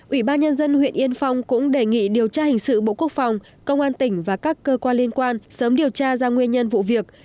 ủy ban nhân dân huyện yên phong cũng đề nghị điều tra hình sự bộ quốc phòng công an tỉnh và các cơ quan liên quan sớm điều tra ra nguyên nhân vụ việc